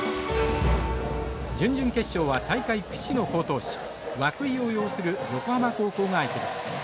準々決勝は大会屈指の好投手涌井を擁する横浜高校が相手です。